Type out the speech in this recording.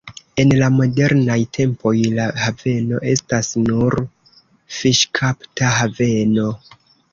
En la modernaj tempoj la haveno estas nur fiŝkapta haveno.